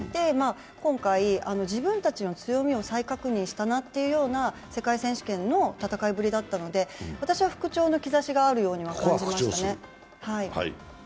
今回、自分たちの強みを再確認したなという世界選手権の戦いぶりだったので私は復調の兆しがあるようには感じましたね。